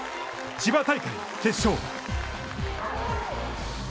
千葉大会決勝。